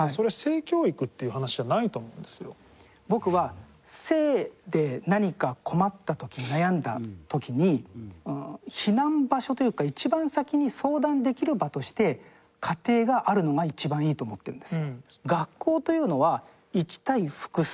僕は性で何か困った時悩んだ時に避難場所というか一番先に相談できる場として家庭があるのが一番いいと思ってるんです。